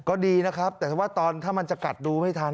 ก็ดีนะครับแต่ว่าตอนถ้ามันจะกัดดูไม่ทัน